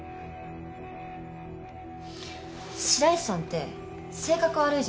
白石さんって性格悪いじゃないですか。